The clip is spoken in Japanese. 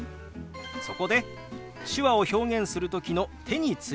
そこで手話を表現する時の手についてです。